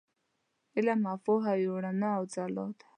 علم او پوهه یوه رڼا او ځلا ده.